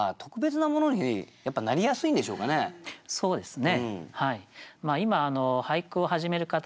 そうですね。